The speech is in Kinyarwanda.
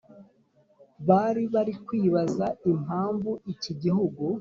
bari bari kwibaza impamvu iki gihugu